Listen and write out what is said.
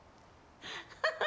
ハハハハ。